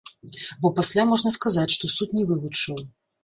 Бо пасля можна сказаць, што суд не вывучыў.